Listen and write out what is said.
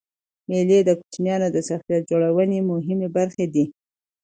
مېلې د کوچنيانو د شخصیت جوړنوني مهمي برخي دي.